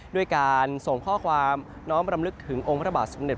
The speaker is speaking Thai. ด้วยการส่งข้อความน้อมรำลึกถึงองค์พระบาทสมเด็